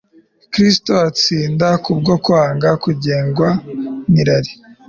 Kristo atsinda kubwo kwanga kugengwa nirari